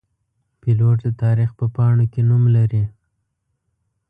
پیلوټ د تاریخ په پاڼو کې نوم لري.